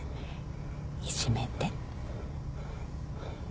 いじめて。